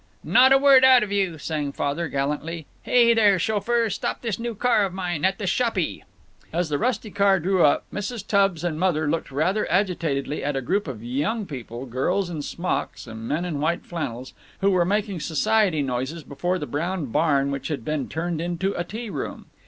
"Not a word out of you!" sang out Father, gallantly. "Hey there, chauffeur, stop this new car of mine at the Shoppy." As the rusty car drew up Mrs. Tubbs and Mother looked rather agitatedly at a group of young people, girls in smocks and men in white flannels, who were making society noises before the brown barn which had been turned into a tea room.